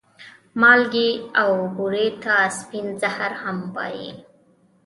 مالګې او بورې ته سپين زهر هم وايې